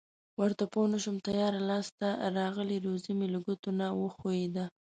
ورته پوه نشوم تیاره لاس ته راغلې روزي مې له ګوتو نه و ښویېده.